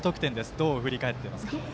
どう振り返っていますか？